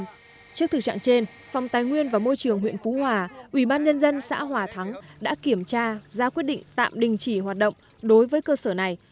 trước thực trạng trên phòng tài nguyên và môi trường huyện phú hòa ủy ban nhân dân xã hòa thắng đã kiểm tra ra quyết định tạm đình chỉ hoạt động đối với cơ sở này